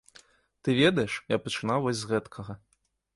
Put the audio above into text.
Ты ведаеш, я пачынаў вось з гэткага.